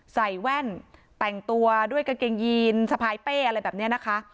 แว่นแต่งตัวด้วยกางเกงยีนสะพายเป้อะไรแบบนี้นะคะ